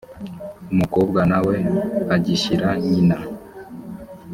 umukobwa na we agishyira nyina